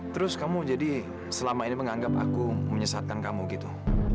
terus kamu jadi selama ini menganggap aku menyesatkan kamu gitu